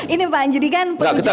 ini pak anjidi kan